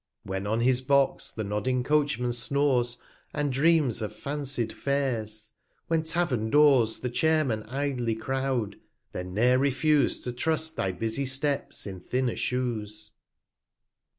When on his Box the nodding Coachman snores, And dreams of fancy'd Fares; when Tavern Doors The Chairmen idly croud; then ne'er refuse 155 To trust thy busy Steps in thinner Shoes.